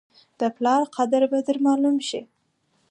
د پلار قدر به در معلوم شي !